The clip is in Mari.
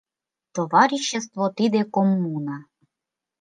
Товарищество — тиде коммуна.